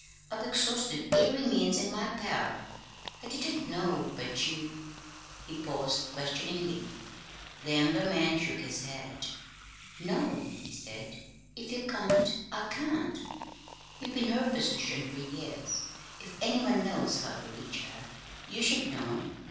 I've exhausted every means in my power. I didn't know but you " He paused questioningly. The younger man shook his head. "No," he said. "If you can't, I can't. You've been her physician for years. If anyone knows how to reach her, you should know.